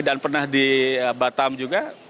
dan pernah di batam juga